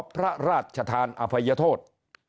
พระราชทานอภัยโทษ